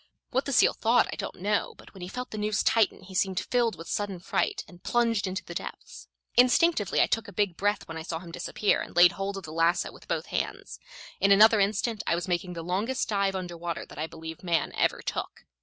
What the seal thought I don't know, but when he felt the noose tighten he seemed filled with sudden fright, and plunged into the depths. Instinctively I took a big breath when I saw him disappear, and laid hold of the lasso with both hands. In another instant I was making the longest dive under water that I believe man ever took.